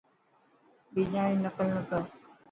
بيجان ري نقل نه ڪر.